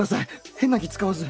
変な気使わず。